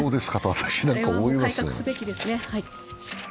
改革すべきですね。